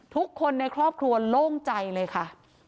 ทุกคนในครอบครัวโล่งใจเลยค่ะ